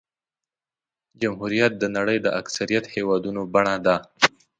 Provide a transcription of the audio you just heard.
جمهوریت د نړۍ د اکثریت هېوادونو بڼه ده.